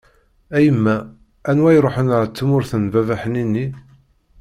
A yemma, anwa i ṛuḥen ar tmurt n baba ḥnini.